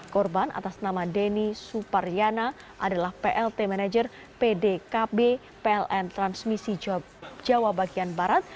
korban atas nama denny suparyana adalah plt manager pdkb pln transmisi jawa bagian barat